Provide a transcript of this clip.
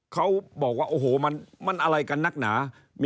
เขาบอกว่าโอ้โหมันอะไรกันนักหนา